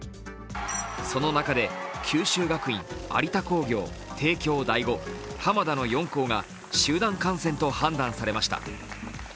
その中で九州学院、有田工業、帝京第五、浜田の４校が集団感染と判断されされました。